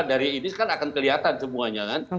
dari ini akan kelihatan semuanya